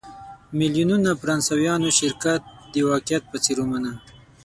میلیونونو فرانسویانو شرکت د واقعیت په څېر ومانه.